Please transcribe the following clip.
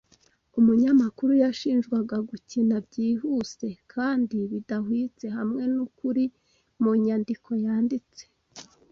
Umunyamakuru yashinjwaga gukina byihuse kandi bidahwitse hamwe nukuri mu nyandiko yanditse.